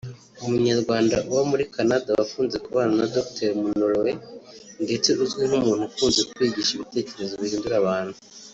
umunyarwanda uba muri Canada wakunze kubana na Dr Munroe ndetse uzwi nk’umuntu Ukunze kwigisha ibitekerezo bihindura abantu